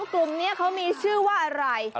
กลุ่มนี้เขามีชื่อว่าอะไร